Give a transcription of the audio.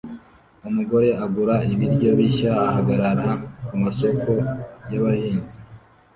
Umugore agura ibiryo bishya ahagarara kumasoko yabahinzi